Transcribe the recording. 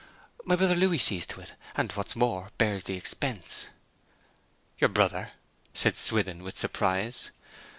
'My brother Louis sees to it, and, what is more, bears the expense.' 'Your brother?' said Swithin, with surprise.